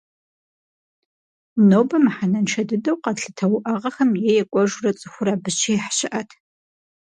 Нобэ мыхьэнэншэ дыдэу къэтлъытэ уӏэгъэхэм е екӏуэжурэ цӏыхур абы щихь щыӏэт.